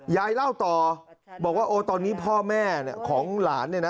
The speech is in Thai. ยายเล่าต่อบอกว่าโอ้ตอนนี้พ่อแม่ของหลานเนี่ยนะ